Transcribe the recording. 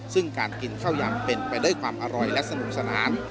ซึ่งการกินข้าวยำเป็นไปด้วยความอร่อยและสนุกสนาน